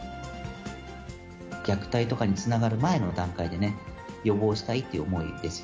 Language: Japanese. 虐待とかにつながる前の段階でね、予防したいっていう思いです。